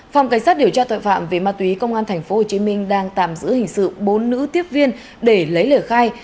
phòng cảnh sát điều tra tội phạm về ma túy công an tp hcm đang tạm giữ hình sự bốn nữ tiếp viên để lấy lời khai